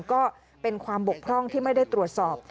ก็เป็นความบกพร่องที่ไม่ได้ตรวจสอบ